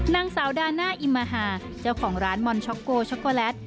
นางสาวดาน่าอิมมาฮาเจ้าของร้านมอนช็อกโกช็อกโกแลต